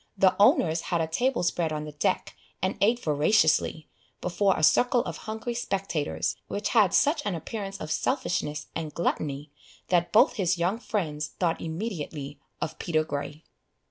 The owners had a table spread on the deck, and ate voraciously, before a circle of hungry spectators, which had such an appearance of selfishness and gluttony, that both his young friends thought immediately of Peter Grey.